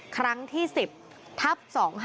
ครั้งที่๑๐ทับ๒๕๖